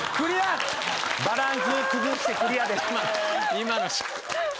今の。